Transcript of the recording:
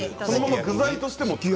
そのまま具材としても。